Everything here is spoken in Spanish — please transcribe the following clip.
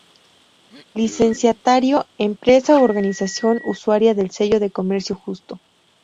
Licenciatario: Empresa u organización usuaria del Sello de Comercio Justo.